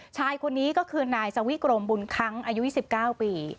ชายคนนี้ก็คือนายสวิกรมบุญคั้งอายุ๒๙ปี